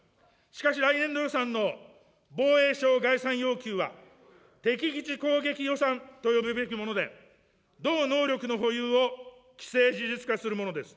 しかし来年度予算の防衛省概算要求は、敵基地攻撃予算と呼ぶもので、同能力の保有を既成事実化するものです。